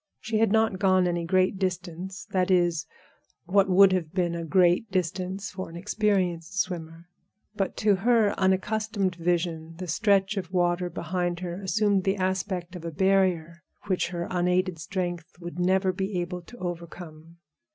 She had not gone any great distance—that is, what would have been a great distance for an experienced swimmer. But to her unaccustomed vision the stretch of water behind her assumed the aspect of a barrier which her unaided strength would never be able to overcome.